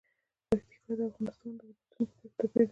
پکتیکا د افغانستان د ولایاتو په کچه توپیر لري.